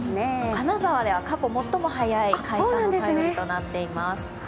金沢では過去最も早い開花となっています。